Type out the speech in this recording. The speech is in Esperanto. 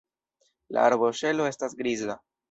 La arboŝelo estas griza.